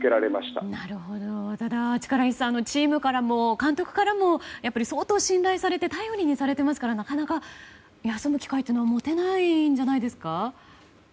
ただ力石さんチームからも監督からも相当信頼されて頼りにされていますからなかなか休む機会は持てないんじゃないですか？